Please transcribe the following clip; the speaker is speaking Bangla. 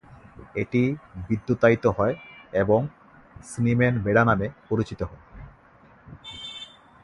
এটি বিদ্যুতায়িত হয় এবং স্নিম্যান বেড়া নামে পরিচিত হয়।